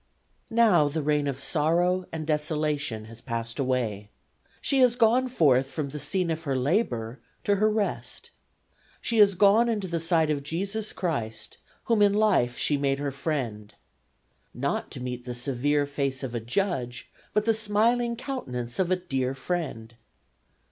"Now the reign of sorrow and desolation has passed away. She has gone forth from the scene of her labor to her rest. She has gone into the sight of Jesus Christ, whom in life she made her Friend. Not to meet the severe face of a Judge, but the smiling countenance of a dear friend.